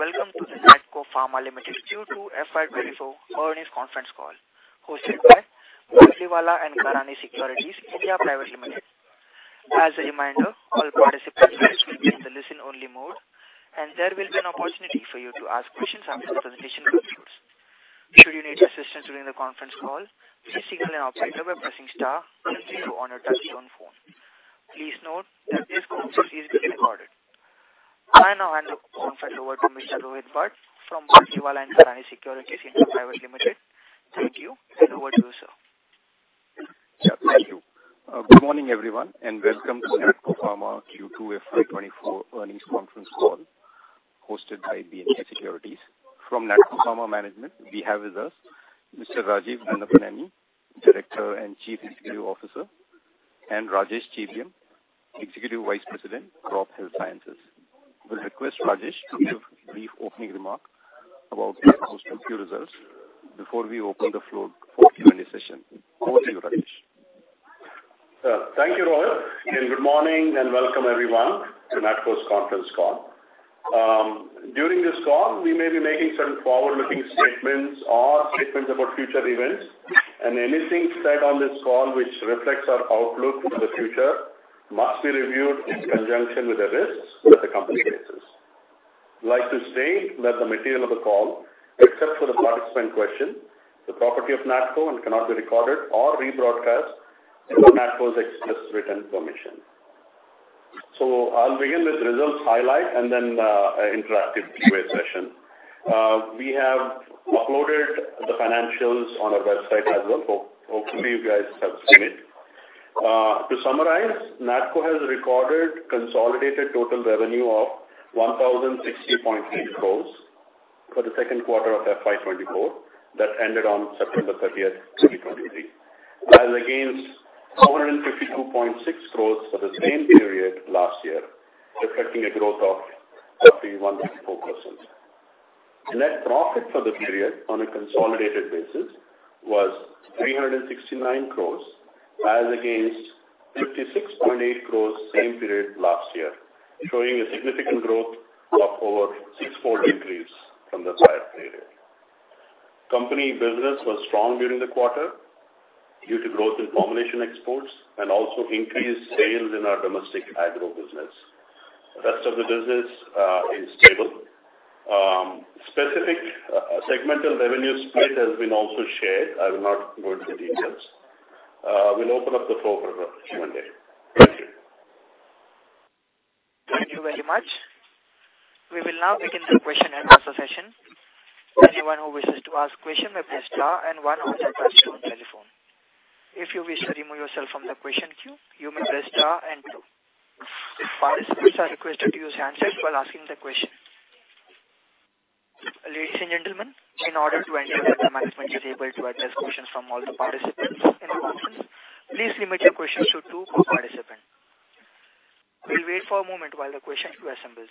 Ladies and gentlemen, good day, and welcome to the Natco Pharma Limited Q2 FY 2024 earnings conference call, hosted by Batlivala & Karani Securities India Private Limited. As a reminder, all participants will be in the listen-only mode, and there will be an opportunity for you to ask questions after the presentation concludes. Should you need assistance during the conference call, please signal an operator by pressing star and three on your touchtone phone. Please note that this conference is being recorded. I now hand the conference over to Mr. Rohit Bhat from Batlivala & Karani Securities India Private Limited. Thank you, and over to you, sir. Yeah, thank you. Good morning, everyone, and welcome to Natco Pharma Q2 FY 2024 earnings conference call, hosted by Batlivala & Karani Securities. From Natco Pharma management, we have with us Mr. Rajeev Nannapaneni, Director and Chief Executive Officer, and Rajesh Chebiyam, Executive Vice President, Crop Health Sciences. We'll request Rajesh to give a brief opening remark about Natco's Q results before we open the floor for Q&A session. Over to you, Rajesh. Thank you, Rohit, and good morning, and welcome everyone to Natco's conference call. During this call, we may be making some forward-looking statements or statements about future events, and anything said on this call which reflects our outlook for the future must be reviewed in conjunction with the risks that the company faces. I'd like to state that the material of the call, except for the participant question, is the property of Natco and cannot be recorded or rebroadcast without Natco's express written permission. So I'll begin with results highlight and then, an interactive Q&A session. We have uploaded the financials on our website as well. So hopefully, you guys have seen it. To summarize, Natco has recorded consolidated total revenue of 1,060.6 crores for the second quarter of FY 2024, that ended on September 30th, 2023, as against 452.6 crores for the same period last year, reflecting a growth of 31.4%. Net profit for the period on a consolidated basis was 369 crores, as against 56.8 crores same period last year, showing a significant growth of over sixfold increase from the prior period. Company business was strong during the quarter due to growth in formulation exports and also increased sales in our domestic agro business. The rest of the business is stable. Specific segmental revenue split has been also shared. I will not go into the details. We'll open up the floor for Q&A. Thank you. Thank you very much. We will now begin the question and answer session. Anyone who wishes to ask a question may press star and one on their touchtone telephone. If you wish to remove yourself from the question queue, you may press star and two. Participants are requested to use handset while asking the question. Ladies and gentlemen, in order to ensure that the management is able to address questions from all the participants in the conference, please limit your questions to two per participant. We'll wait for a moment while the question queue assembles.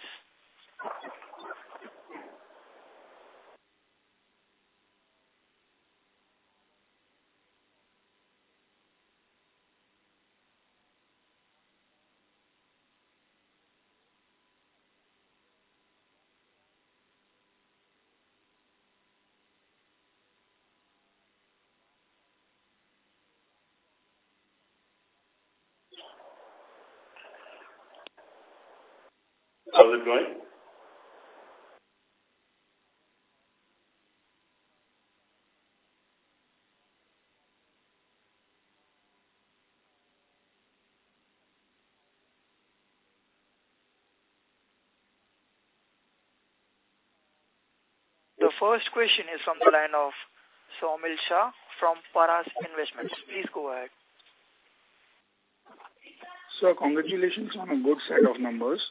How is it going? The first question is from the line of Saumil Shah from Paras Investments. Please go ahead. Sir, congratulations on a good set of numbers.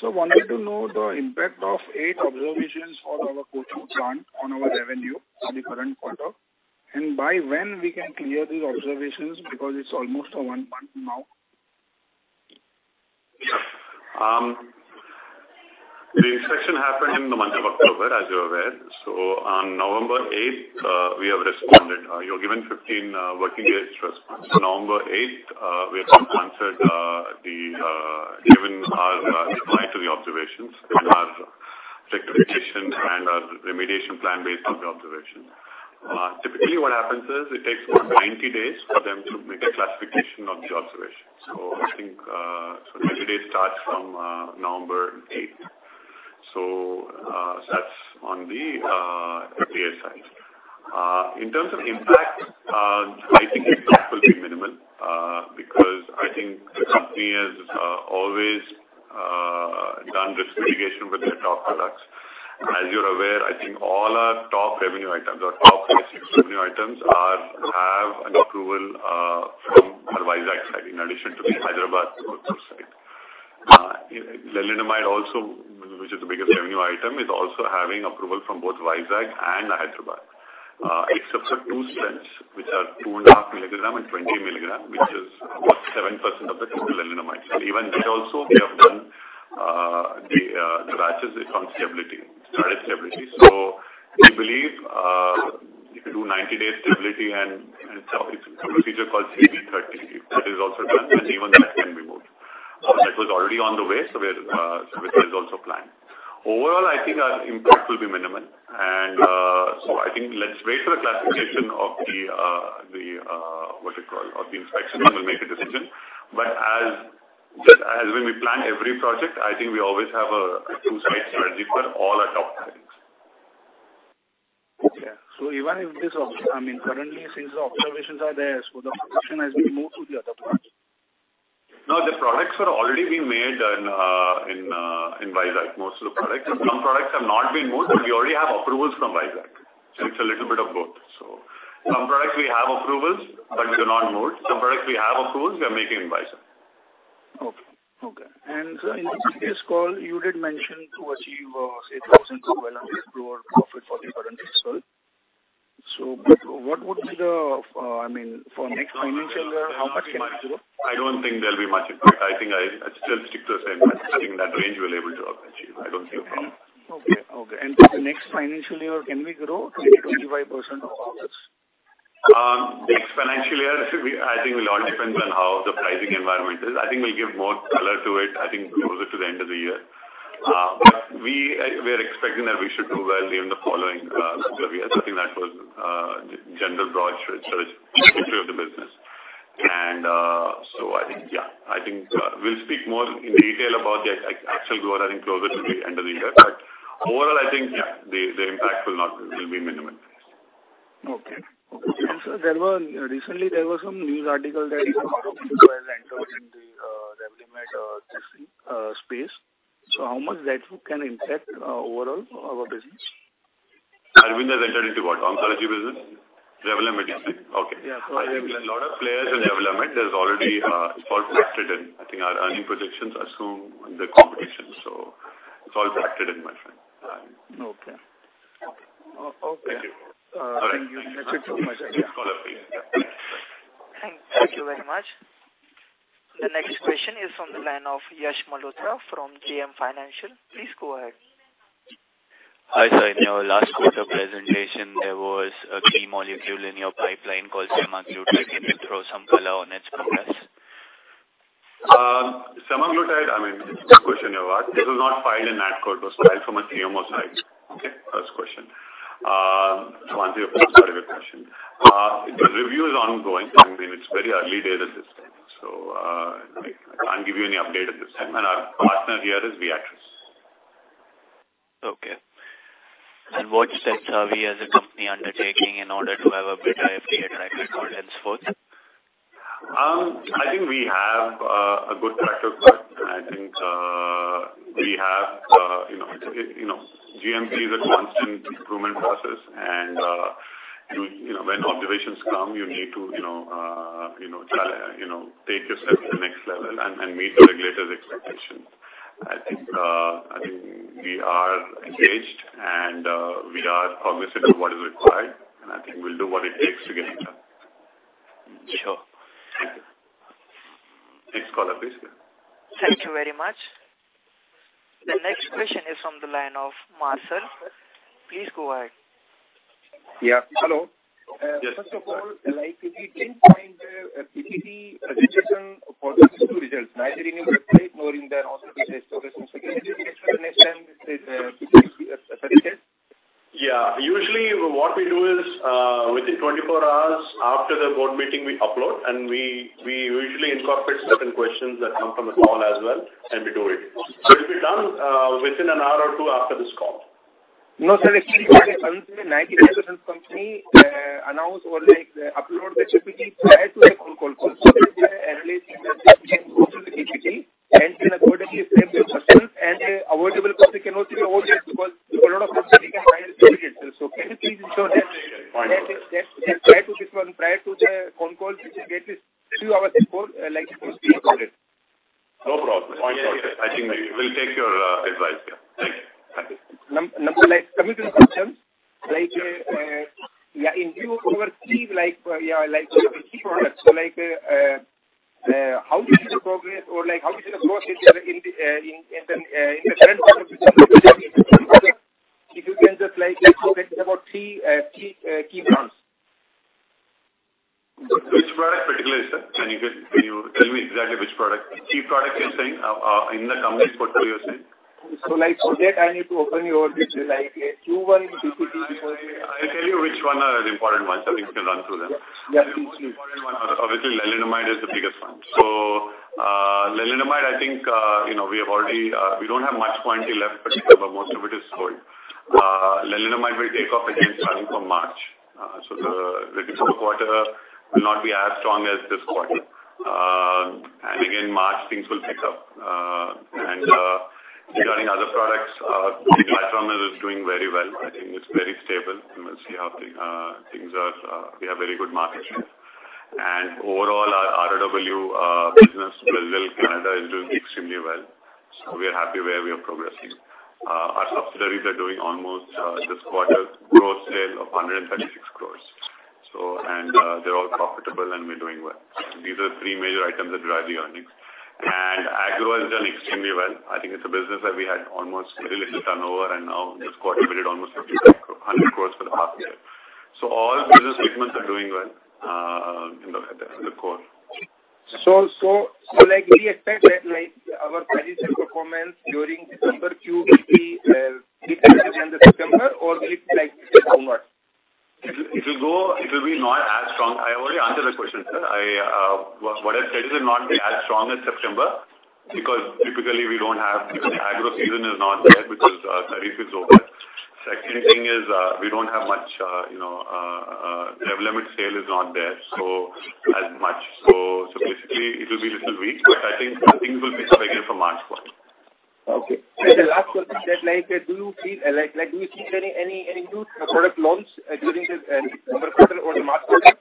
So wanted to know the impact of eight observations on our Kutch plant, on our revenue for the current quarter, and by when we can clear these observations, because it's almost one month now. Yeah. The inspection happened in the month of October, as you're aware. So on November 8th, we have responded. You're given 15 working days to respond. So November 8th, we have answered the given our reply to the observations, with our rectification and our remediation plan based on the observation. Typically, what happens is, it takes about 90 days for them to make a classification of the observation. So I think, so 90 days starts from November eighth. So, that's on the FDA side. In terms of impact, I think the impact will be minimal, because I think the company has always done risk mitigation with their top products. As you're aware, I think all our top revenue items or top six revenue items are, have an approval from our Vizag site, in addition to the Hyderabad site. Lenalidomide also, which is the biggest revenue item, is also having approval from both Vizag and Hyderabad. Except for two strengths, which are 2.5 mg and 20 mg, which is about 7% of the total lenalidomide. So even that also, we have done the batches from stability, product stability. So we believe if you do 90-day stability and procedure called CBE-30. That is also done and even that can be moved. So that was already on the way, so we're so which is also planned. Overall, I think our impact will be minimal. And, so I think let's wait for the classification of the, what you call, of the inspection, and we'll make a decision. But as, just as when we plan every project, I think we always have a two-side strategy for all our top products. Okay. So even if this—I mean, currently, since the observations are there, so the production has been moved to the other product? No, the products were already being made in Vizag, most of the products. Some products have not been moved, but we already have approvals from Vizag. So it's a little bit of both. So some products we have approvals, but they're not moved. Some products we have approvals, we are making in Vizag. Okay, okay. And, sir, in the previous call, you did mention to achieve, say, 1,000 crore-1,100 crore profit for the current fiscal. So, but what would be the, I mean, for next financial year, how much can it grow? I don't think there'll be much impact. I think I still stick to the same. I think that range we're able to achieve. I don't see a problem. Okay, okay. The next financial year, can we grow 20%-25% of all this? The next financial year, we, I think will all depend on how the pricing environment is. I think we'll give more color to it, I think, closer to the end of the year. But we, we are expecting that we should do well in the following year. I think that was, general broad strategy of the business. And, so I think, yeah. I think, we'll speak more in detail about the actual growth, I think, closer to the end of the year. But overall, I think, yeah, the, the impact will not... will be minimal. Okay. So there were recently some news article that entered in the Revlimid testing space. So how much that can impact overall our business? Aurobindo has entered into what? Oncology business? Revlimid, you say? Okay. Yeah, Revlimid. A lot of players in Revlimid. There's already, it's all factored in. I think our earnings projections are sound in the competition, so it's all factored in, my friend. Okay. Okay. Thank you. Thank you so much. Next caller, please. Thank you very much. The next question is from the line of Yash Malhotra from JM Financial. Please go ahead. Hi, sir. In your last quarter presentation, there was a key molecule in your pipeline called semaglutide. Can you throw some color on its progress? Semaglutide, I mean, good question you asked. It was not filed in Natco, it was filed from a CMO side. Okay, first question. To answer your second question. The review is ongoing, and it's very early days at this time, so I can't give you any update at this time, and our partner here is Viatris. Okay. What steps are we as a company undertaking in order to have a better FDA track record and so forth? I think we have a good track record, and I think we have, you know, GMP is a constant improvement process, and, you know, when observations come, you need to, you know, take yourself to the next level and meet the regulator's expectations. I think we are engaged and we are cognizant of what is required, and I think we'll do what it takes to get it done. Sure. Thank you. Next caller, please. Thank you very much. The next question is from the line of Marcel. Please go ahead. Yeah, hello. Yes. First of all, like, we didn't find a PPT presentation for the two results, neither in your site nor in the officer business. So this is an explanation, this is PPT presentation? Yeah. Usually, what we do is, within 24 hours after the board meeting, we upload, and we usually incorporate certain questions that come from the call as well, and we do it. So it'll be done within an hour or two after this call. No, sir. Actually, because some of the 90% company, announce or like, upload the PPT prior to the phone call. So at least we can go through the PPT and can accordingly frame yourself, and avoidable copy can also be avoided because a lot of company can find the duplicate. So can you please ensure that- Fine. prior to this one, prior to the phone call, which is at least two hours before, like it was recorded. No problem. I think we'll take your advice. Yeah. Thank you. Like, some of the functions, like, yeah, if you oversee, like, yeah, like, key products, so like, how do you see the progress or like, how do you see the growth in the current quarter? If you can just lightly talk about three key products. Which product particularly, sir? Can you get, can you tell me exactly which product? Key products, you're saying, in the company portfolio, you're saying? So, like, so that I need to open your like a Q1 PPT. I'll tell you which one are the important ones. I think you can run through them. Yeah. The most important one, obviously, lenalidomide is the biggest one. So, lenalidomide, I think, you know, we have already... We don't have much quantity left, but most of it is sold. Lenalidomide will take off again starting from March. So the, the December quarter will not be as strong as this quarter. And again, March, things will pick up. And, regarding other products, pomalidomide is doing very well. I think it's very stable. And we'll see how things are. We have very good market share. And overall, our ROW, business, Brazil, Canada, is doing extremely well. So we are happy where we are progressing. Our subsidiaries are doing almost, this quarter, gross sale of 136 crore. So, and, they're all profitable and we're doing well. These are three major items that drive the earnings. Agro has done extremely well. I think it's a business that we had almost very little turnover, and now this quarter we did almost 50 crores-100 crores for the past year. So all business segments are doing well in the core. So, like, we expect that, like, our traditional performance during December Q will be different than the September, or it's like December? It will be not as strong. I already answered the question, sir. What I said is it will not be as strong as September, because typically we don't have the agro season is not there because Kharif is over. Second thing is, we don't have much, you know, Revlimid sale is not there, so as much. So basically, it will be little weak, but I think things will pick up again from March quarter. Okay. And the last question, that like, do you feel, like, like, do you see any, any, any new product launch during this, December or the March quarter?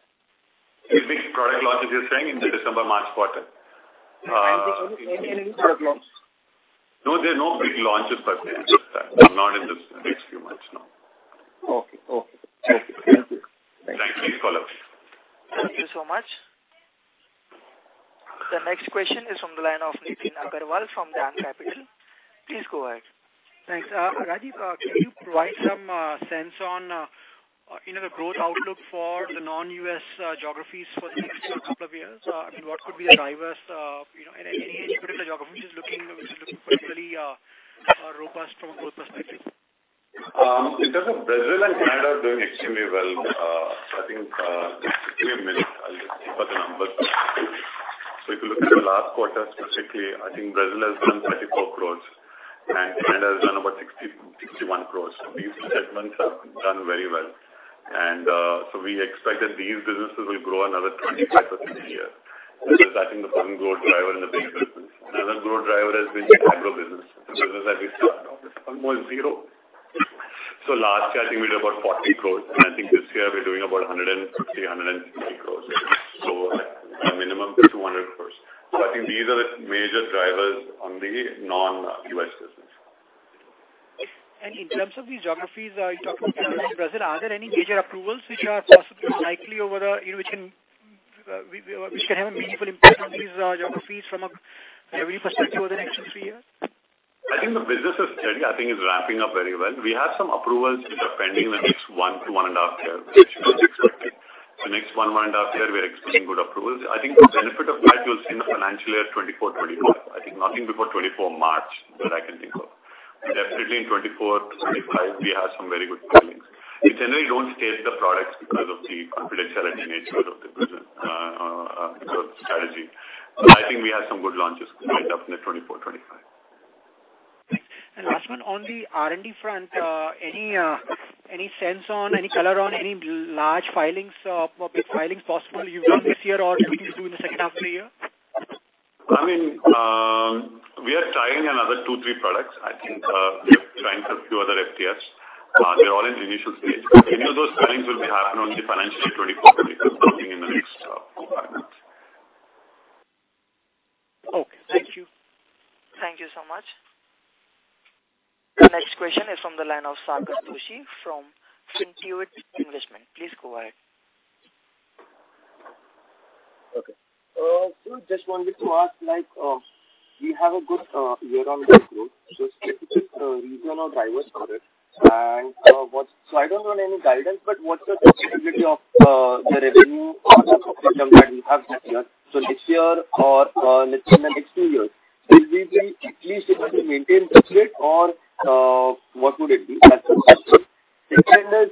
You mean product launches, you're saying in the December, March quarter? Any new product launch? No, there are no big launches by the end of that. Not in the next few months, no. Okay. Okay. Thank you. Thanks. Please follow up. Thank you so much. The next question is from the line of Nitin Agarwal from DAM Capital. Please go ahead. Thanks. Rajeev, can you provide some sense on, you know, the growth outlook for the non-U.S. geographies for the next couple of years? I mean, what could be the drivers, you know, any particular geography which is looking particularly robust from a growth perspective? In terms of Brazil and Canada are doing extremely well. I think, give me a minute. I'll just look for the numbers. So if you look at the last quarter specifically, I think Brazil has done 34 crore and Canada has done about 60 crore-61 crore. So these two segments have done very well. And, so we expect that these businesses will grow another 25% a year. Because I think the foreign growth driver in the big business. Another growth driver has been the agro business. The business that we started off on was zero. So last year, I think we did about 40 crore, and I think this year we're doing about 150 crore. So a minimum of 200 crore. So I think these are the major drivers on the non-US business. In terms of these geographies, you talked about Brazil, are there any major approvals which are possibly likely over the, you know, which can have a meaningful impact on these geographies from a revenue perspective over the next two to three years? I think the business is steady, I think it's ramping up very well. We have some approvals which are pending in the next one to 1.5 years, which we are expecting. The next one to 1.5 years, we are expecting good approvals. I think the benefit of that, you'll see in the financial year, 2024, 2025. I think nothing before March 2024, that I can think of. Definitely in 2024-2025, we have some very good filings. We generally don't state the products because of the confidentiality nature of the business, strategy. So I think we have some good launches lined up in the 2024-2025. Thanks. Last one, on the R&D front, any sense on any color on any large filings, big filings possible you've done this year or you will do in the second half of the year? I mean, we are trying another two, three products. I think, we are trying a few other FTF. They're all in initial stage. Any of those filings will be happen on the financial year 2024-2025, something in the next four, five months. Okay. Thank you. Thank you so much. The next question is from the line of Sagar Tulshyan from Intuit Capital. Please go ahead. Okay. So just wanted to ask, like, we have a good year-on-year growth. So specific region or drivers for it, and what-- So I don't want any guidance, but what's the possibility of the revenue or the problem that we have next year? So this year or, let's say in the next two years, will we be at least able to maintain this rate or what would it be as such? Second is,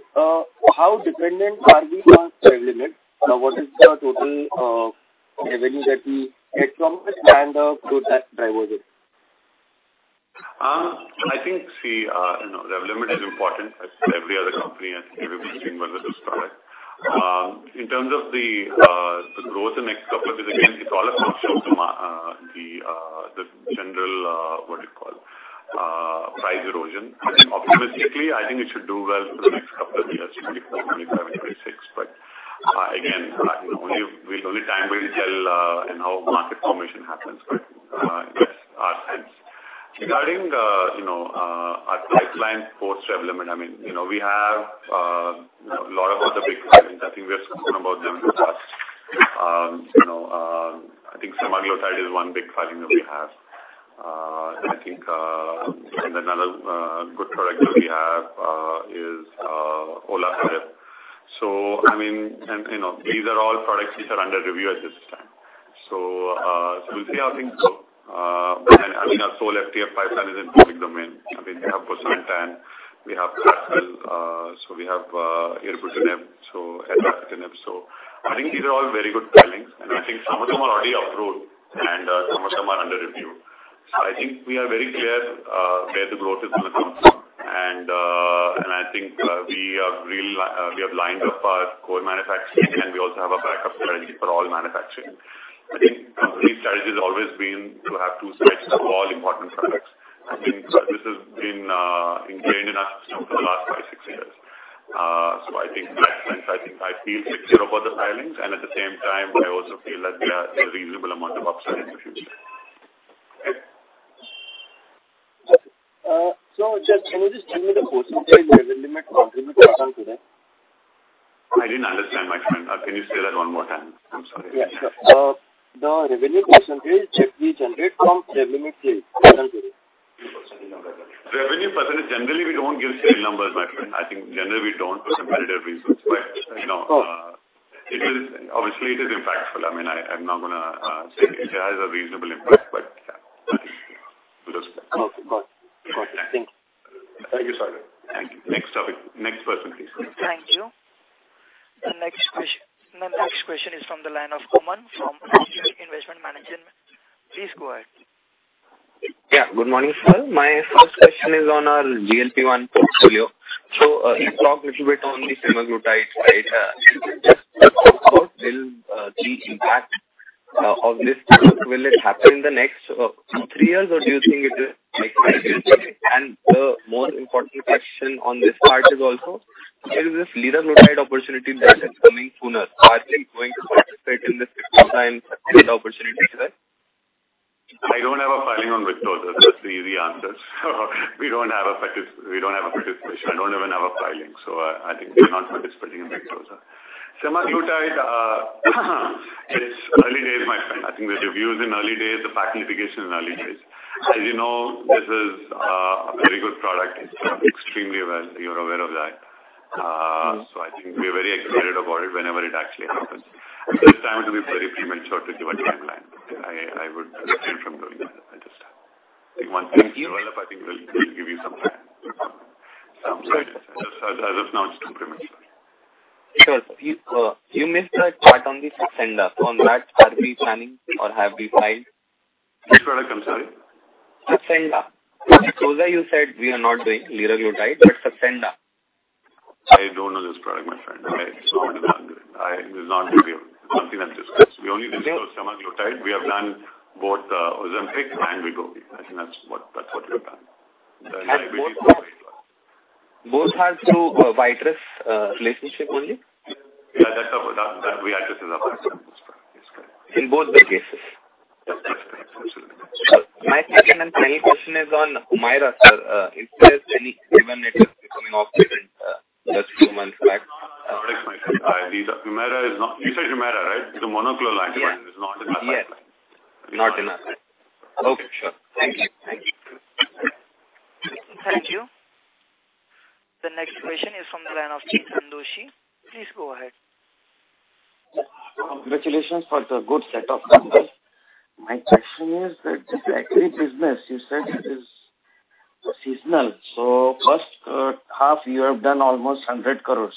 how dependent are we on Revlimid? Now, what is the total revenue that we get from it and good as drivers is? I think, see, you know, Revlimid is important as every other company and every single other product. In terms of the growth the next couple of years, again, it's all exposed to the general, what do you call, price erosion. Optimistically, I think it should do well for the next couple of years, 2024, 2025, 2026. But, again, only time will tell, and how market formation happens. But, yes, our sense. Regarding, you know, our pipeline for Revlimid, I mean, you know, we have a lot of other big filings. I think we have spoken about them in the past. You know, I think semaglutide is one big filing that we have. I think, and another good product that we have, is olaparib. So, I mean, and, you know, these are all products which are under review at this time. So, so we'll see how things go. And, I mean, our sole FTF pipeline is in public domain. I mean, we have bosentan, we have pazopanib, so we have, eribulin, so acalabrutinib. So I think these are all very good filings, and I think some of them are already approved and, some of them are under review. So I think we are very clear, where the growth is going to come from. And, and I think, we have real, we have lined up our core manufacturing, and we also have a backup strategy for all manufacturing. I think our strategy has always been to have two sites for all important products. I think this has been ingrained in us for the last five to six years. So I think that, I think I feel secure about the filings, and at the same time, I also feel that there are a reasonable amount of upside in the future. No, just can you just give me the percentage Revlimid contribution to that? I didn't understand, my friend. Can you say that one more time? I'm sorry. Yes. The revenue percentage that we generate from Revlimid sales. Revenue percentage, generally, we don't give sale numbers, my friend. I think generally we don't for competitive reasons. But, you know, it is obviously it is impactful. I mean, I, I'm not gonna, say it has a reasonable impact, but yeah. Okay. Got it. Thank you. Thank you, sir. Thank you. Next topic. Next person, please. Thank you. The next question, the next question is from the line of Kunal from Investment Management. Please go ahead. Yeah, good morning, sir. My first question is on our GLP-1 portfolio. So, you talked a little bit on the Semaglutide, right? Just how will the impact of this will it happen in the next three years, or do you think it is like five years? And the more important question on this part is also, is this Liraglutide opportunity that is coming sooner, are they going to participate in this opportunity there? I don't have a filing on Victoza. That's the easy answer. We don't have a practice, we don't have a participation. I don't even have a filing, so I think we're not participating in Victoza. Semaglutide, it's early days, my friend. I think the review is in early days, the patent situation is in early days. As you know, this is a very good product. It's extremely well, you're aware of that. So I think we're very excited about it whenever it actually happens. At this time, it will be very premature to give a timeline. I would refrain from doing that at this time. I think once things develop, I think we'll give you some time. So as of now, it's premature. Sure. You missed the part on the Saxenda. On that, are we planning or have we filed? Which product, I'm sorry? Saxenda. Victoza, you said we are not doing liraglutide, but Saxenda. I don't know this product, my friend. I was not aware. It's not something that's discussed. We only discuss Semaglutide. We have done both, Ozempic and Wegovy. I think that's what, that's what we have done. Both are through, Viatris, relationship only? Yeah, that's that we address is our product. That's correct. In both the cases? Yes, absolutely. My second and final question is on Humira, sir. Is there any... becoming obsolete in the last few months back? Humira is not... You said Humira, right? It's a monoclonal antibody. Yes. It's not in our line. Okay, sure. Thank you. Thank you. The next question is from the line of Chetan Doshi. Please go ahead. Congratulations for the good set of numbers. My question is that the factory business, you said it is seasonal. So first half you have done almost 100 crore.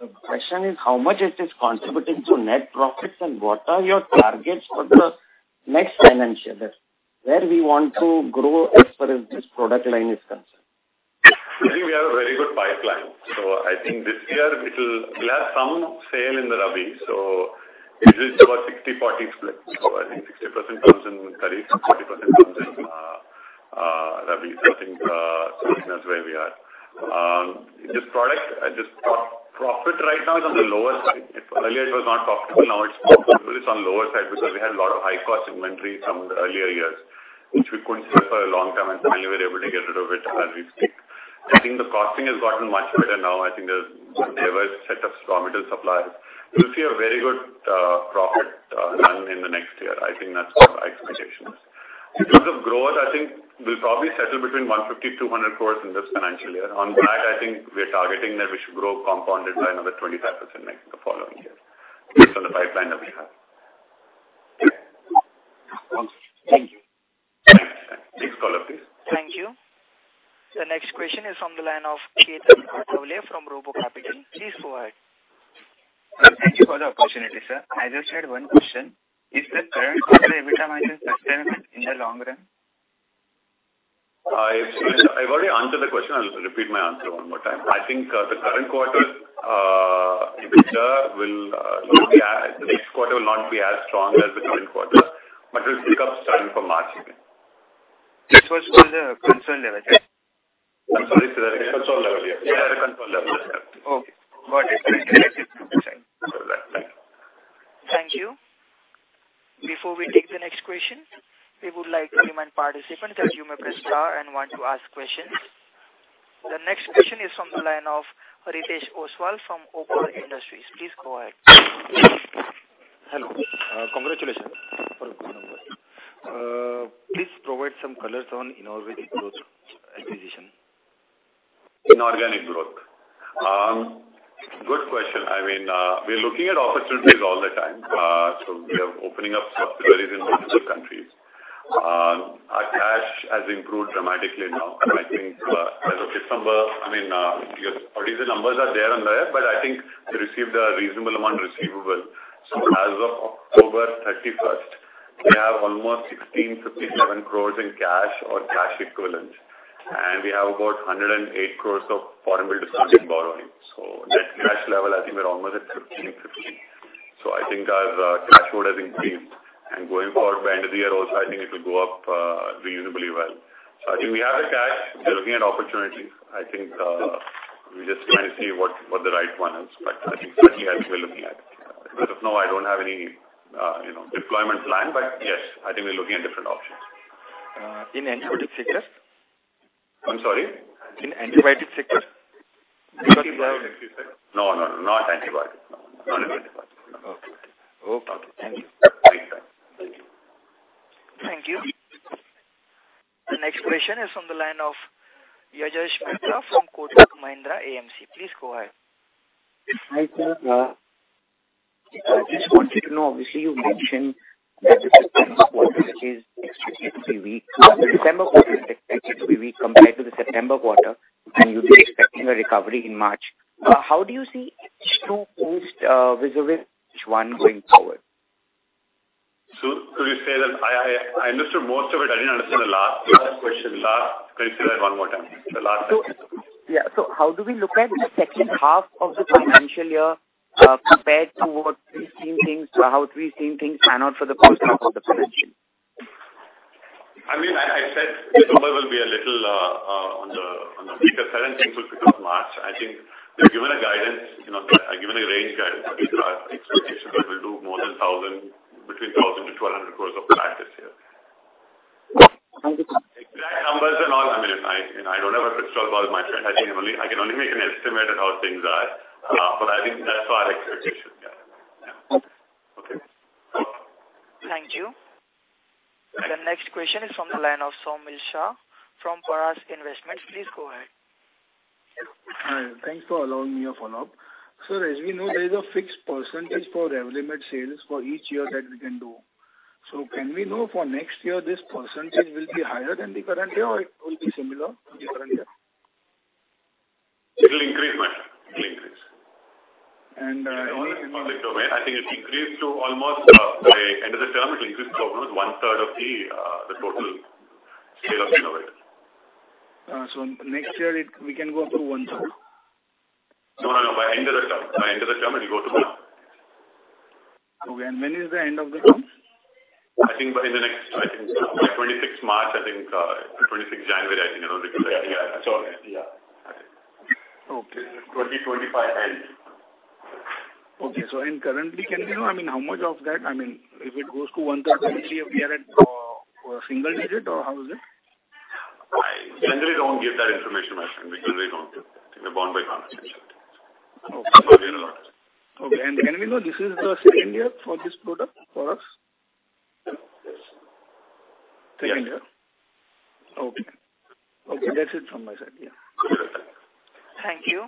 The question is, how much it is contributing to net profits, and what are your targets for the next financial year, where we want to grow as far as this product line is concerned? I think we have a very good pipeline. So I think this year it'll, we'll have some sale in the Rabi. So it is about 60/40 split. So I think 60% comes in Kharif, 40% comes in Rabi. So I think, that's where we are. This product, this pro-profit right now is on the lower side. Earlier, it was not profitable, now it's profitable. It's on lower side because we had a lot of high-cost inventory from the earlier years, which we couldn't sell for a long time, and finally, we're able to get rid of it as we speak. I think the costing has gotten much better now. I think there's a set of raw material suppliers. You'll see a very good, profit, done in the next year. I think that's what my expectation is. In terms of growth, I think we'll probably settle between 150 crore-200 crore in this financial year. On that, I think we are targeting that we should grow compounded by another 25% in the following year, based on the pipeline that we have. Thank you. Next caller, please. Thank you. The next question is from the line of Ketan Athavale from RoboCapital. Please go ahead. Thank you for the opportunity, sir. I just had one question: Is the current quarter every time I mention sustainable in the long run? I've already answered the question. I'll repeat my answer one more time. I think the current quarter will be as... The next quarter will not be as strong as the current quarter, but will pick up starting from March again. This was for the control level, yes? I'm sorry for the- Control level, yeah. Yeah, the control level. Okay, got it. Thank you. Before we take the next question, we would like to remind participants that you may press star and one to ask questions. The next question is from the line of Ritesh Oswal from Oswal Industries. Please go ahead. Hello. Congratulations. Please provide some colors on inorganic growth acquisition. Inorganic growth. Good question. I mean, we're looking at opportunities all the time. So we are opening up subsidiaries in multiple countries. Our cash has improved dramatically now, and I think, as of December, I mean, the numbers are there on there, but I think we received a reasonable amount of receivable. So as of October 31st, we have almost 1,657 crores in cash or cash equivalents, and we have about 108 crores of foreign borrowing. So net cash level, I think we're almost at 1,550 crore. So I think our, cash flow has increased, and going forward by end of the year also, I think it will go up, reasonably well. So I think we have the cash. We're looking at opportunities. I think, we're just trying to see what the right one is, but I think we are looking at.... As of now, I don't have any, you know, deployment plan, but yes, I think we're looking at different options. in antibiotic sector? I'm sorry. In antibiotic sector? No, no, not antibiotic. No, not antibiotic. Okay. Okay, thank you. Thank you. Thank you. The next question is from the line of Jayesh Gandhi from Kotak Mahindra AMC. Please go ahead. Hi, sir. I just wanted to know, obviously, you've mentioned that the September quarter is expected to be weak. The December quarter is expected to be weak compared to the September quarter, and you'll be expecting a recovery in March. How do you see these two post, reserve, which one going forward? So could you say that I understood most of it. I didn't understand the last question. Can you say that one more time? The last question. Yeah. So how do we look at the second half of the financial year, compared to what we've seen things, how we've seen things pan out for the course of the year? I mean, I said December will be a little on the weaker side, and things will pick up March. I think we've given a guidance, you know, I've given a range guidance. But these are our expectations that we'll do more than INR 1,000 crore, between INR 1,000 crore-INR 1,200 crore of practice here. Thank you, sir. Exact numbers and all, I mean, I, you know, I don't have a crystal ball, my friend. I think I only, I can only make an estimate of how things are. But I think that's our expectation. Yeah. Okay. Okay. Thank you. The next question is from the line of Saumil Shah from Paras Investments. Please go ahead. Hi, thanks for allowing me a follow-up. Sir, as we know, there is a fixed percentage for Revlimid sales for each year that we can do. So can we know for next year, this percentage will be higher than the current year, or it will be similar to the current year? It'll increase, my friend. It'll increase. I think it increased to almost by end of the term, it increased to almost 1/3 of the total sales of Revlimid. So next year we can go up to 1/3? No, no, no. By end of the term, by end of the term, it will go to one. Okay. When is the end of the term? I think by the next, I think by March 26th, I think, January 26th, I think. I don't recall the exact year. So, yeah. Okay. 2025 by end. Okay. So, currently, can we know, I mean, how much of that, I mean, if it goes to one third, we are at single digit or how is it? I generally don't give that information, my friend. We generally don't give. We're bound by confidentiality. Okay. And can we know this is the second year for this product for us? Yes. Second year? Okay. Okay, that's it from my side. Yeah. Thank you.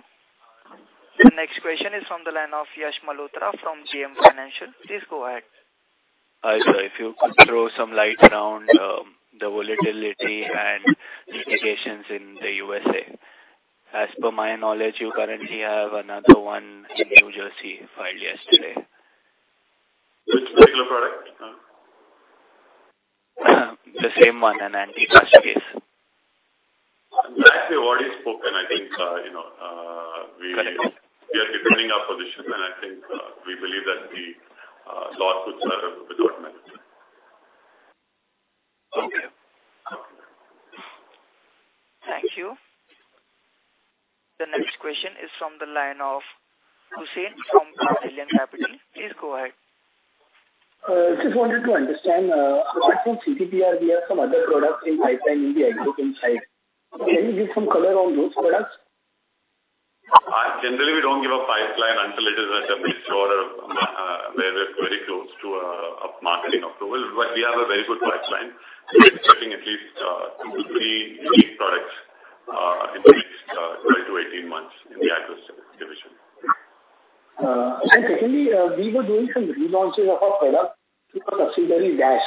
The next question is from the line of Yash Malhotra from JM Financial. Please go ahead. Hi, sir. If you could throw some light around, the volatility and litigations in the USA. As per my knowledge, you currently have another one in New Jersey filed yesterday. Which particular product? The same one, an antitrust case. Actually, what he spoke, and I think, you know, we. Correct. We are defending our position, and I think we believe that the lawsuits are with the government. Okay. Thank you. The next question is from the line of Hussein from Carnelian Capital. Please go ahead. Just wanted to understand, apart from CTPR, we have some other products in pipeline, in the agro group inside. Can you give some color on those products? Generally, we don't give a pipeline until it is at a pretty sure, where we're very close to a marketing approval. But we have a very good pipeline. We're expecting at least two to three unique products in the next 12-18 months in the Atlas division. And secondly, we were doing some relaunches of our product through our subsidiary, Dash.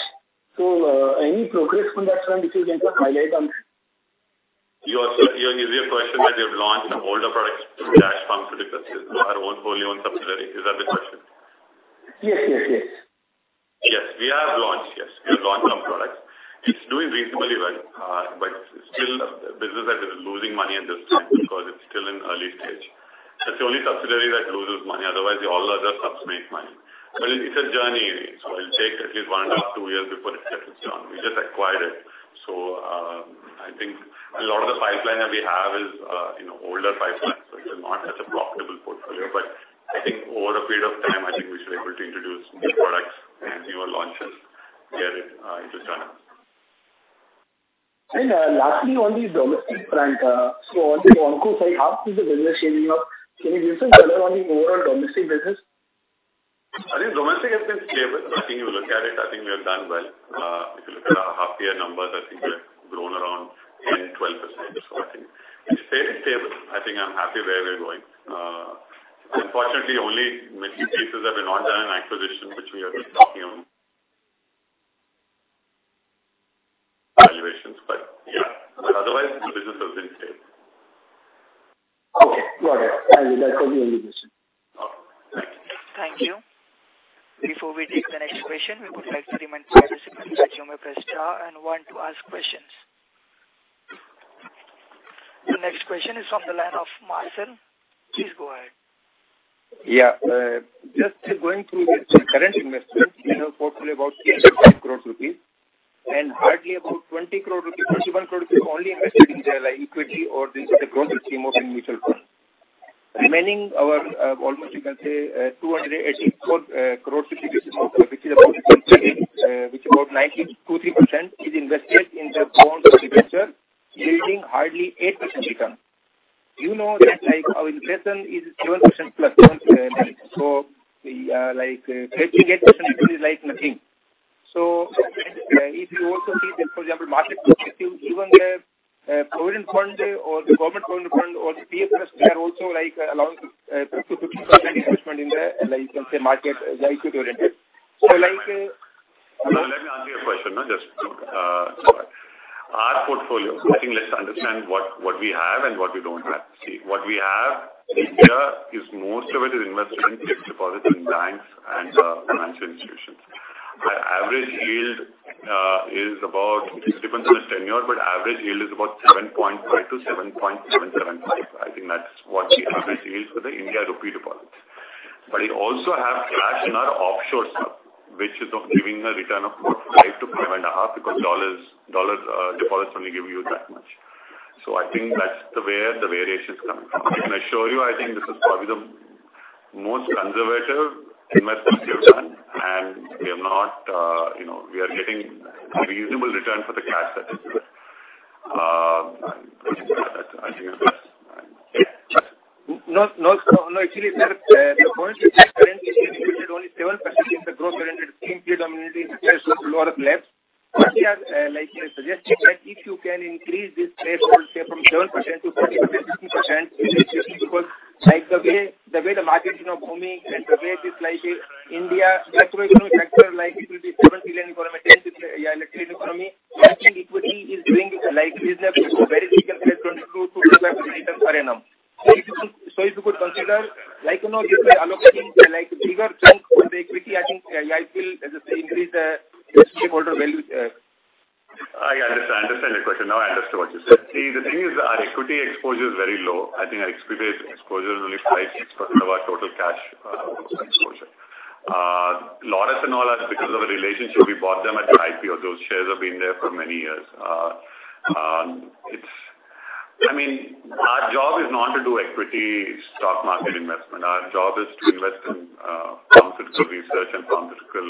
So, any progress on that front, if you can highlight on it? Yes, sir, your question is that you've launched older products through Dash Pharmaceuticals, our own, wholly owned subsidiary. Is that the question? Yes, yes, yes. Yes, we have launched. Yes, we have launched some products. It's doing reasonably well, but still business that is losing money at this time because it's still in early stage. It's the only subsidiary that loses money. Otherwise, all the other subs make money. But it's a journey, so it'll take at least 1.5 to twoyears before it gets its own. We just acquired it. So, I think a lot of the pipeline that we have is, you know, older pipeline, so it's not as a profitable portfolio, but I think over a period of time, I think we should be able to introduce new products and newer launches, get it, into channel. Lastly, on the domestic front, so on the Onco side, how is the business shaping up? Can you give some color on the overall domestic business? I think domestic has been stable. I think you look at it, I think we have done well. If you look at our half year numbers, I think we've grown around 10%-12%. So I think it's stable. I think I'm happy where we're going. Unfortunately, only in a few cases have we not done an acquisition, which we are just talking on... evaluations. But yeah, but otherwise, the business has been stable. Okay, got it. Thank you. That was my only question. Okay. Thank you. Thank you. Before we take the next question, we would like to remind participants that you may press star and one to ask questions. The next question is from the line of Marcel. Please go ahead. Yeah, just going through the current investment, you know, portfolio about 300 crore rupees. and hardly about 20 crore rupees, 21 crore rupees only invested in their, like, equity or this is the growth scheme of mutual fund. Remaining our, almost you can say, 284 crore rupees, which is about 68%, which about 92.3% is invested in the bonds or debentures, yielding hardly 8% return. You know that, like, our inflation is 11%+. So, we, like, getting 8% is like nothing. So, if you also see that, for example, market, even the, Providence Fund or the government fund or the PFS, they are also, like, allowing, 50/50 percent investment in the, like, you can say, market, like, equity-oriented. So like, No, let me answer your question. No, just our portfolio. I think let's understand what we have and what we don't have. See, what we have, India is most of it is invested in fixed deposits in banks and financial institutions. Our average yield is about, it depends on the tenure, but average yield is about 7.5%-7.75%. I think that's what the average yields for the Indian rupee deposits. But we also have cash in our offshore stuff, which is of giving a return of about 5%-5.5%, because dollar deposits only give you that much. So I think that's where the variation is coming from. Can I assure you, I think this is probably the most conservative investments we have done, and we are not, you know, we are getting reasonable return for the cash that is there. I think that's- No, no, no, actually, sir, the point is that only 7% in the growth oriented scheme predominantly in lower left. But we are, like, suggesting that if you can increase this threshold, say, from 7% to 40%-50%, like, the way, the way the market is now booming and the way this, like, India, like, it will be 7 trillion crore economy, yeah, electric economy. Investing equity is doing, like, business very carefully, 22%-25% per annum. So if you could, so if you could consider, like, you know, just allocating, like, bigger chunk for the equity, I think, I, I feel, as I say, increase, the shareholder value. I understand. I understand your question. Now, I understand what you said. See, the thing is, our equity exposure is very low. I think our equity exposure is only 5%-6% of our total cash exposure. Laurus and all, because of the relationship, we bought them at the IPO. Those shares have been there for many years. I mean, our job is not to do equity stock market investment. Our job is to invest in pharmaceutical research and pharmaceutical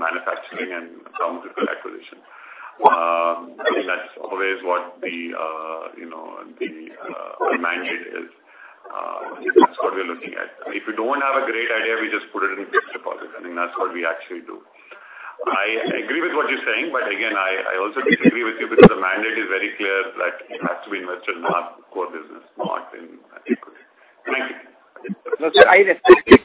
manufacturing and pharmaceutical acquisition. I think that's always what the you know, the our mandate is. That's what we're looking at. If we don't have a great idea, we just put it in fixed deposit. I think that's what we actually do. I agree with what you're saying, but again, I also disagree with you because the mandate is very clear that it has to be invested in our core business, not in equity. Thank you. No, sir, I respect it. Let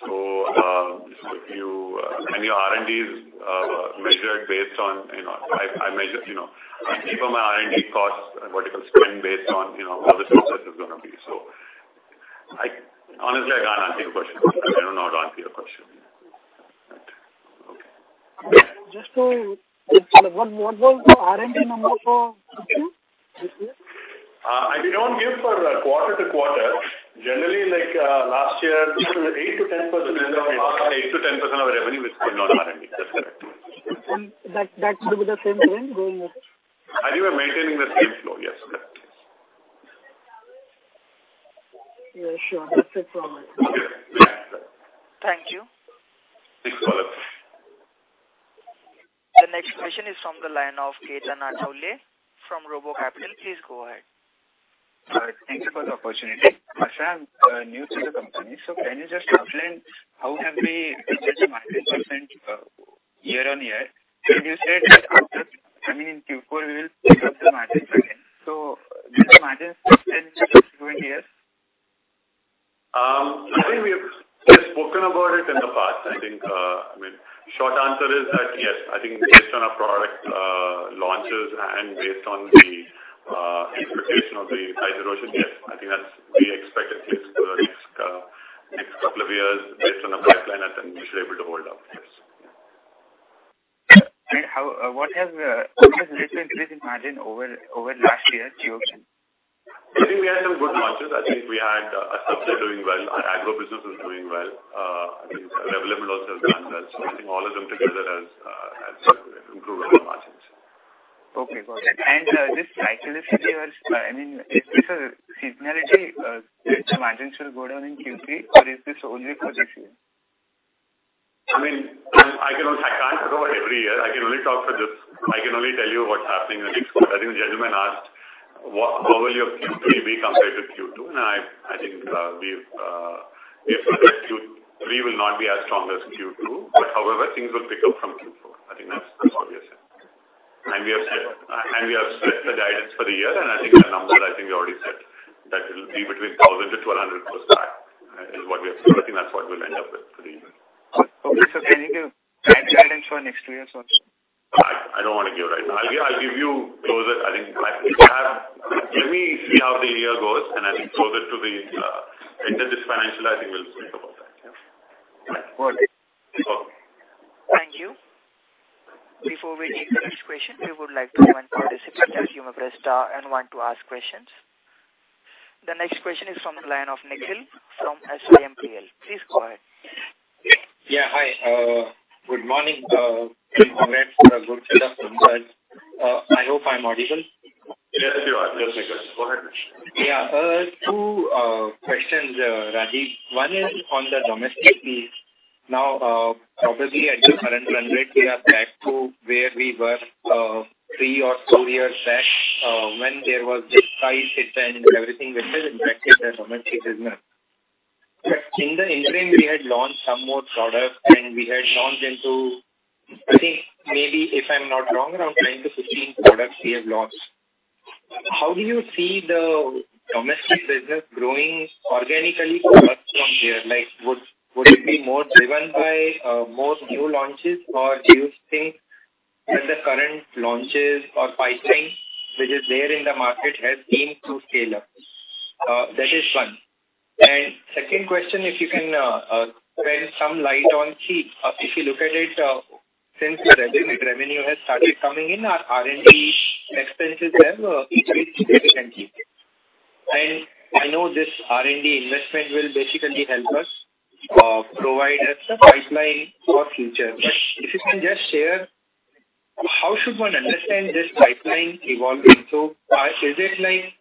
So, if you, and your R&D is, measured based on, you know, I measure, you know, keep on my R&D costs and what you can spend based on, you know, how the success is gonna be. So, honestly, I can't answer your question. I do not answer your question. Okay. Just to, what, what was the R&D number for this year? We don't give for quarter to quarter. Generally, like, last year, 8%-10% of our, 8%-10% of our revenue is spent on R&D. That's correct. That would be the same thing going forward? We are maintaining the same flow. Yes, correct. Yeah, sure. That's it from me. Okay. Thank you. Thanks a lot. The next question is from the line of Ketan Athavale from RoboCapital. Please go ahead. Thanks for the opportunity. I'm new to the company. So can you just explain how have we reached the margin percent year-on-year? And you said after, I mean, in Q4, we will pick up the margin again. So did the margin percentage going years? I think we have spoken about it in the past. I think, I mean, short answer is that, yes, I think based on our product launches and based on the interpretation of the Hatch-Waxman, yes, I think that's we expect at least for the next next couple of years, based on the pipeline, I think we should be able to hold up, yes. How, what has recent margin over last year QoQ? I think we had some good launches. I think we had doing well. Our agro business is doing well. I think development also has done well. So I think all of them together has has improved our margins. Okay, got it. And, this cyclically or, I mean, is this a seasonality, which margins will go down in Q3, or is this only for this year? I mean, I can only—I can't talk about every year. I can only talk for this. I can only tell you what's happening in this quarter. I think the gentleman asked, what, how will your Q3 be compared with Q2? And I think, we've Q3 will not be as strong as Q2, but however, things will pick up from Q4. I think that's what we are saying. And we have said, and we have split the guidance for the year, and I think the number, I think we already said, that it will be between 1,000 crore-1,200 crore plus back. I think that's what we have said, I think that's what we'll end up with for the year. Okay. So can you give guidance for next two years also? I don't want to give right now. I'll give you closer. I think I have... Let me see how the year goes, and I think closer to the end of this financial. I think we'll think about that. Got it. Okay. Thank you. Before we take the next question, we would like to invite participants who are pressed star and want to ask questions. The next question is from the line of Nikhil from SIMPL. Please go ahead. Yeah, hi. Good morning, and congrats for a good set of numbers. I hope I'm audible? Yes, you are. Go ahead. Yeah, two questions, Rajeev. One is on the domestic piece. Now, probably at the current run rate, we are back to where we were, three or four years back, when there was this price hit and everything went in and affected the domestic business. But in the interim, we had launched some more products, and we had launched into, I think, maybe if I'm not wrong, around 10-15 products we have launched. How do you see the domestic business growing organically from there? Like, would, would it be more driven by, more new launches, or do you think that the current launches or pipeline, which is there in the market, has been to scale up? That is one. Second question, if you can, shed some light on, see, if you look at it, since the revenue has started coming in, our R&D expenses have increased significantly. I know this R&D investment will basically help us provide us a pipeline for future. But if you can just share, how should one understand this pipeline evolving? So is it like,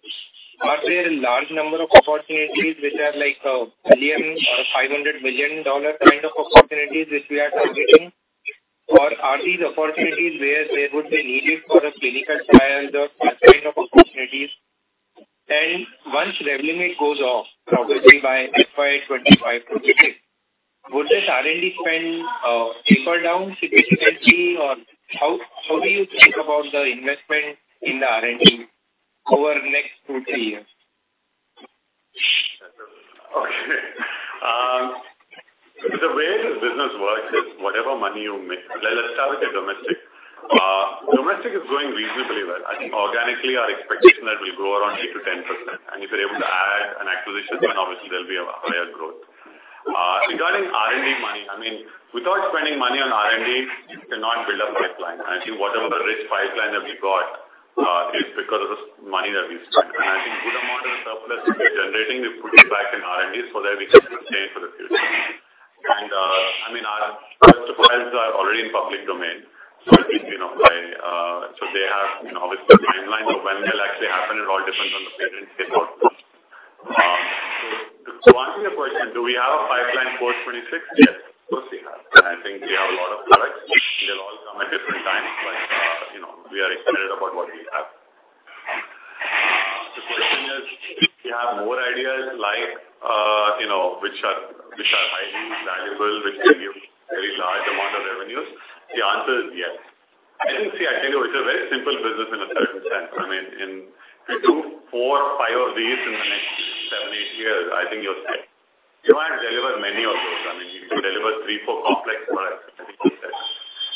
are there a large number of opportunities which are like $1 billion or $500 million dollar kind of opportunities which we are targeting? Or are these opportunities where they would be needed for a clinical trial, those kind of opportunities? And once the revenue goes off, probably by FY 2025, 2026, would this R&D spend taper down significantly? Or how do you think about the investment in the R&D over the next two, three years? Okay. The way this business works is whatever money you make. Let's start with the domestic. Domestic is doing reasonably well. I think organically, our expectation that will grow around 8%-10%, and if you're able to add an acquisition, then obviously there'll be a higher growth. Regarding R&D money, I mean, without spending money on R&D, you cannot build up pipeline. I think whatever the rich pipeline that we got is because of the money that we spent. And I think good amount of surplus we are generating, we're putting back in R&D, so that we can sustain for the future. And, I mean, our supplies are already in public domain. So I think, you know, by... So they have, you know, obviously, the timeline of when they'll actually happen, it all depends on the patent's output. So answering your question, do we have a pipeline for 2026? Yes, of course, we have. I think we have a lot of products. They'll all come at different times, but, you know, we are excited about what we have. The question is, do you have more ideas like, you know, which are, which are highly valuable, which give very large amount of revenues? The answer is yes. I think, see, I tell you, it's a very simple business in a certain sense. I mean, in four or five of these in the next seven to eight years, I think you're set. You don't have to deliver many of those. I mean, you need to deliver three to four complex products.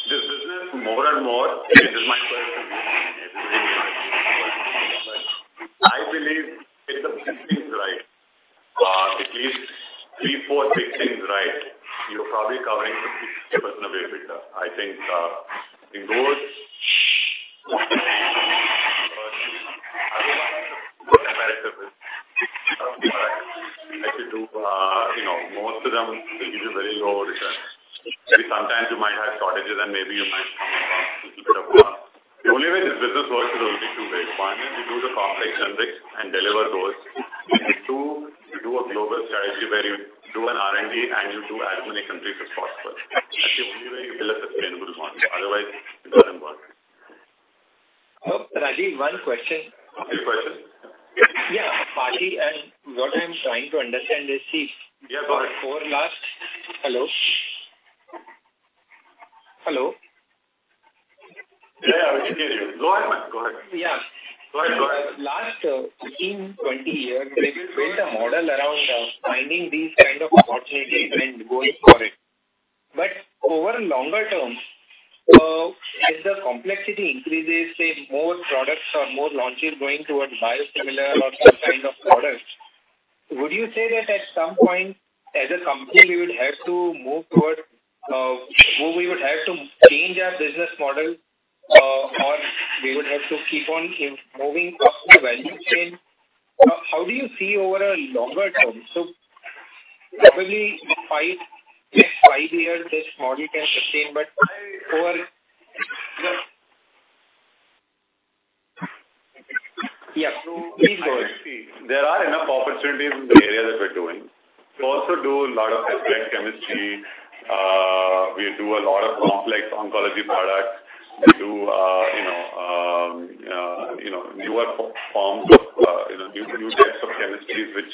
This business, more and more, I believe if the mix is right, at least three, four, six things right, you're probably covering 60% of your business. I think, in those... you know, most of them will give you very low returns. Sometimes you might have shortages, and maybe you might. The only way this business works is only two ways. One is we do the complex subjects and deliver those. Two... a global strategy where you do an R&D and you do as many countries as possible. That's the only way you build a sustainable launch, otherwise it doesn't work. Oh, Rajeev, one question. Your question? Yeah, partly, and what I'm trying to understand is the- Yeah, go ahead. Hello? Hello. Yeah, yeah. Go ahead, man. Go ahead. Yeah. Go ahead, go ahead. Last 15-20 years, we built a model around finding these kind of opportunities and going for it. But over longer term, as the complexity increases, say, more products or more launches going towards biosimilar or some kind of products, would you say that at some point as a company, we would have to move toward or we would have to change our business model or we would have to keep on in moving up the value chain? How do you see over a longer term? So probably five, next five years, this model can sustain, but over just... Yeah, please go ahead. There are enough opportunities in the area that we're doing. We also do a lot of complex chemistry. We do a lot of complex oncology products. We do, you know, newer forms of, you know, new types of chemistries, which,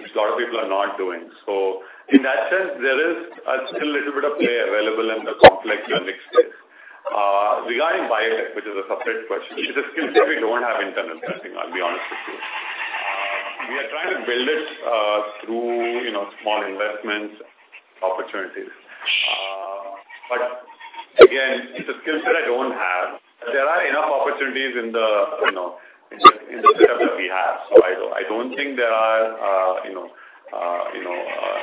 which a lot of people are not doing. So in that sense, there is still a little bit of play available in the complex and mixed space. Regarding biotech, which is a separate question, it's a skill set we don't have internal testing, I'll be honest with you. We are trying to build it through, you know, small investments, opportunities. But again, it's a skill set I don't have. There are enough opportunities in the, you know, in the, in the setup that we have. So I don't, I don't think there are, you know, you know,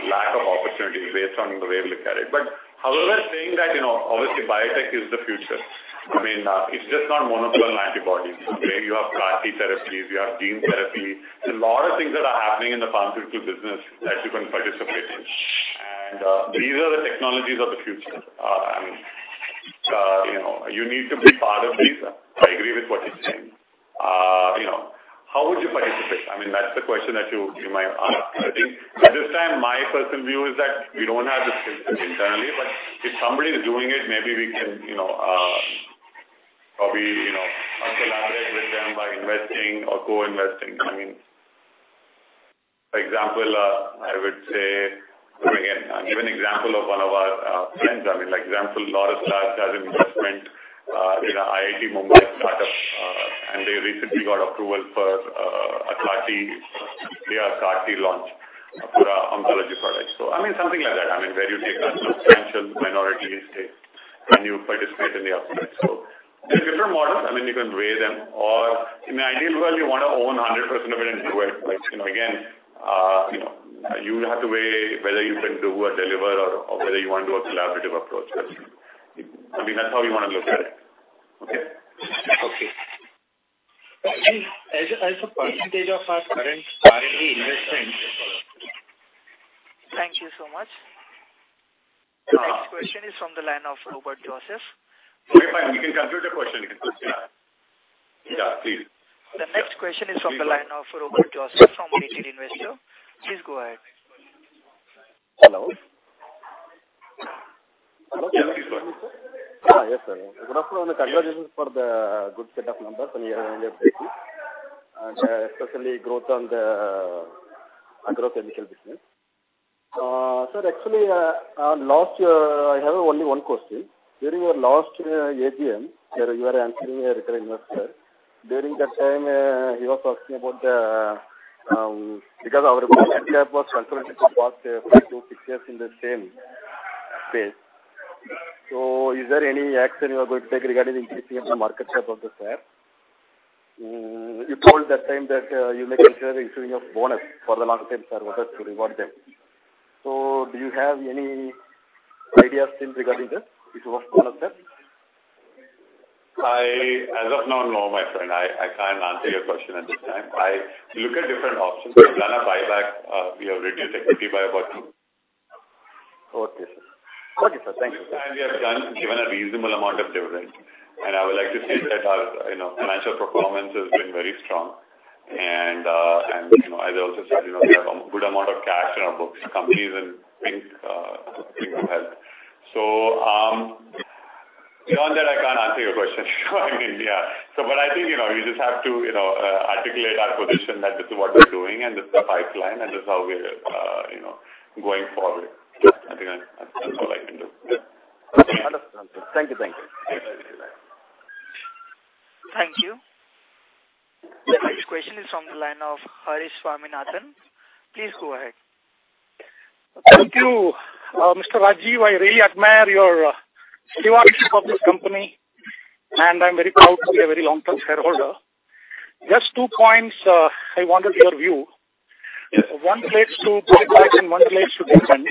lack of opportunities based on the way you look at it. But however, saying that, you know, obviously, biotech is the future. I mean, it's just not monoclonal antibodies, okay? You have CAR-T therapies, you have gene therapy, there's a lot of things that are happening in the pharmaceutical business that you can participate in. And, these are the technologies of the future. I mean, you know, you need to be part of this. I agree with what you're saying. You know, how would you participate? I mean, that's the question that you, you might ask. I think at this time, my personal view is that we don't have the skill set internally, but if somebody is doing it, maybe we can, you know, probably, you know, collaborate with them by investing or co-investing. I mean, for example, I would say, again, I'll give an example of one of our, friends. I mean, like, example, Laurus Labs has an investment, in an IIT Bombay startup, and they recently got approval for, a CAR-T, their CAR-T launch for, oncology products. So I mean, something like that. I mean, where you take a substantial minority stake, and you participate in the output. So there are different models, I mean, you can weigh them, or in an ideal world, you want to own a hundred percent of it and do it. But, you know, again, you know, you have to weigh whether you can do or deliver or, or whether you want to do a collaborative approach. I mean, that's how you want to look at it. Okay? Okay. As a percentage of our current investing- Thank you so much. The next question is from the line of Robert Joseph. Okay, fine. We can conclude the question. You can push that. Yeah, please. The next question is from the line of Robert Joseph from BT Investor. Please go ahead. Hello? Hello. Can you hear me, sir? Yes, sir. First of all, congratulations for the good set of numbers on your end of business, especially growth on the agrochemical business. Sir, actually, on last year, I have only one question. During your last AGM, sir, you were answering a return investor. During that time, he was asking about the, because our current lab was consulted to pass five to six years in the same space. So is there any action you are going to take regarding increasing of the market share of the lab? You told that time that you may consider issuing a bonus for the long term, sir, whether to reward them. So do you have any ideas still regarding this? If you want one of them. As of now, no, my friend, I can't answer your question at this time. I look at different options. We've done a buyback, we have reduced equity by about two. Okay, sir. Okay, sir. Thank you. We have given a reasonable amount of dividend. I would like to say that our, you know, financial performance has been very strong. You know, as I also said, you know, we have a good amount of cash in our books, companies in pink health. So, beyond that, I can't answer your question. I mean, yeah. But I think, you know, you just have to, you know, articulate our position that this is what we're doing, and this is the pipeline, and this is how we're, you know, going forward. I think that's all I can do. Yeah. Thank you. Thank you. Thank you. The next question is from the line of Harish Swaminathan. Please go ahead. Thank you. Mr. Rajeev, I really admire your devotion for this company, and I'm very proud to be a very long-term shareholder. Just two points, I wanted your view. Yes. One relates to buybacks and one relates to dividend.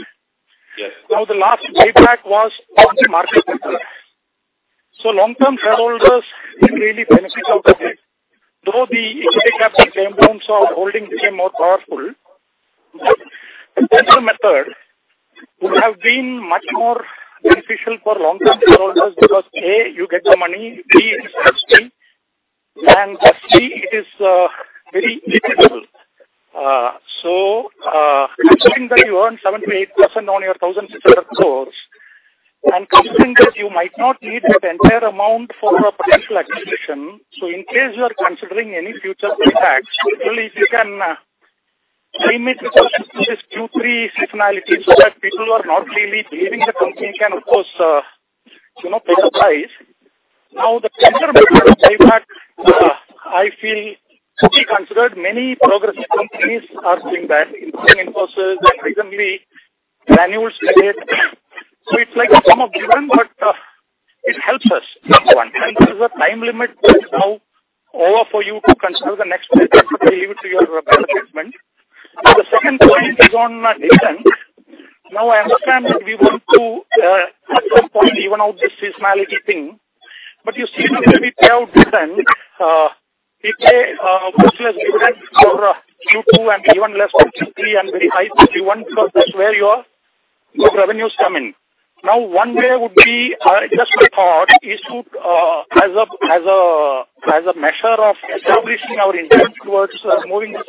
Yes. Now, the last buyback was on the market capital. So long-term shareholders didn't really benefit out of it, though the equity capital came home, so holding became more powerful. But that would have been much more beneficial for long-term shareholders because, A, you get the money, B, it is risky, and, C, it is very liquidable. So, considering that you earn 78% on your 1,600 crores, and considering that you might not need that entire amount for a potential acquisition, so in case you are considering any future buybacks, really, if you can limit it to just Q3 seasonality so that people who are not really believing the company can, of course, you know, pay the price. Now, the buyback I feel should be considered. Many progressive companies are doing that, including Infosys and recently MOIL Limited. So it's like some are given, but, it helps us, number one. There is a time limit which is now over for you to consider the next buyback to give to your board of management. The second point is on dividend. Now, I understand that we want to, at some point, even out this seasonality thing, but you see now when we pay out dividend, we pay, much less dividend for Q2 and even less for Q3, and very high for Q1, because that's where your, your revenues come in. Now, one way would be, just my thought, is to, as a measure of establishing our intent towards removing the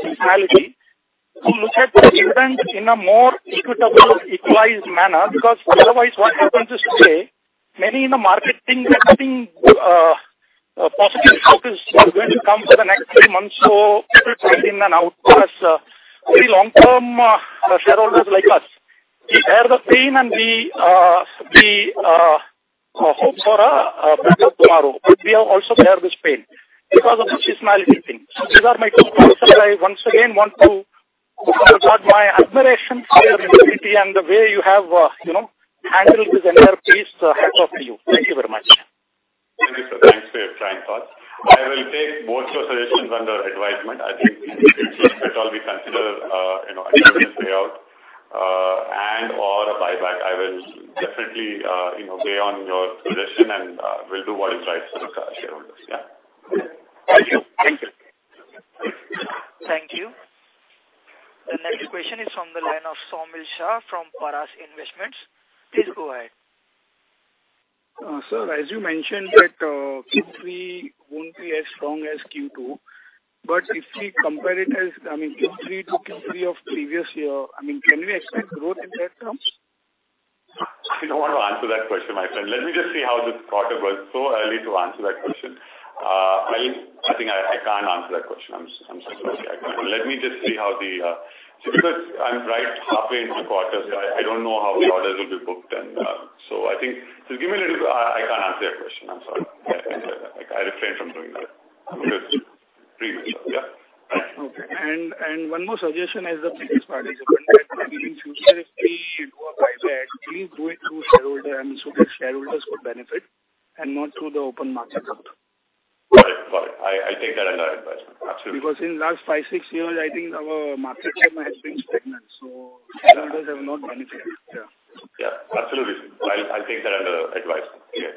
seasonality, to look at the dividend in a more equitable, equalized manner. Because otherwise, what happens is today, many in the market think that nothing, positive focus is going to come for the next three months, so people trade in and out, plus, very long-term, shareholders like us, we bear the pain and we hope for a better tomorrow, but we have also bear this pain because of the seasonality thing. So these are my two points, and I once again want to regard my admiration for your ability and the way you have, you know, handled this entire piece. Hats off to you. Thank you very much. Thank you, sir. Thanks for your kind thoughts. I will take both your suggestions under advisement. I think we should at all we consider, you know, a dividend payout, and/or a buyback. I will definitely, you know, weigh on your suggestion, and, we'll do what is right for the shareholders. Yeah. Thank you. Thank you. Thank you. The next question is from the line of Saumil Shah from Paras Investments. Please go ahead. Sir, as you mentioned that Q3 won't be as strong as Q2, but if we compare it as, I mean, Q3 to Q3 of previous year, I mean, can we expect growth in that terms? I don't want to answer that question, my friend. Let me just see how this quarter goes. Too early to answer that question. I think I can't answer that question. I'm sorry. Let me just see how the... See, because I'm right halfway into the quarter, so I don't know how the orders will be booked and, so I think... Give me a little bit. I can't answer your question. I'm sorry. I refrain from doing that. Because it's premature. Yeah. Okay. One more suggestion as a previous participant, maybe in future, if we do a buyback, please do it through shareholder, I mean, so that shareholders could benefit, and not through the open market route. Got it. Got it. I'll take that under advisement. Absolutely. Because in the last five to six years, I think our market cap has been stagnant, so shareholders have not benefited. Yeah. Yeah, absolutely. I'll, I'll take that under advice. Yeah.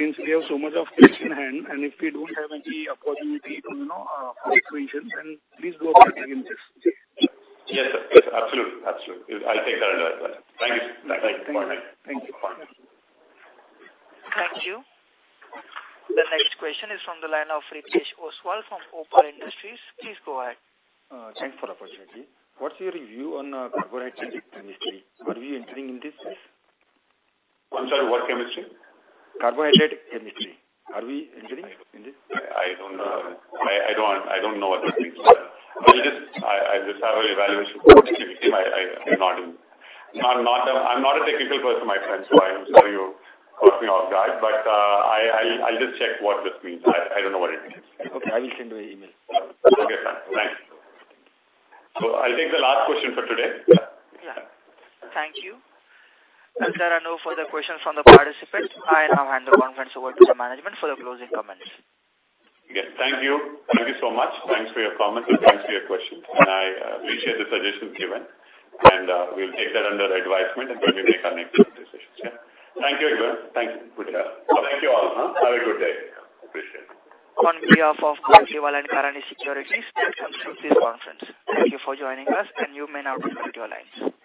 Since we have so much of cash in hand, and if we don't have any opportunity, you know, for acquisitions, then please go back again. Yes, sir. Yes, absolutely. Absolutely. I'll take that under advisement. Thank you. Thank you. Thank you. The next question is from the line of Ritesh Oswal from Opal Industries. Please go ahead. Thanks for the opportunity. What's your view on carbohydrate chemistry? Are we entering in this space? I'm sorry, what chemistry? Carbohydrate chemistry. Are we entering in this? I don't know. I don't know what that means. I'll just have an evaluation. I'm not in... I'm not a technical person, my friend, so I'm sorry you caught me off guard. But, I'll just check what this means. I don't know what it means. Okay, I will send you an email. Okay, fine. Thanks. I'll take the last question for today. Yeah. Thank you. As there are no further questions from the participants, I now hand the conference over to the management for the closing comments. Yes. Thank you. Thank you so much. Thanks for your comments and thanks for your questions, and I appreciate the suggestions given. We'll take that under advisement and then we make our next decisions. Yeah. Thank you everyone. Thank you. Good day. Thank you all. Have a good day. Appreciate it. On behalf of Kotak Mahindra and Kotak Securities, thanks for this conference. Thank you for joining us, and you may now disconnect your lines.